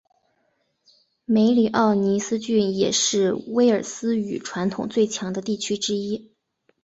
梅里奥尼斯郡也是威尔斯语传统最强的地区之一。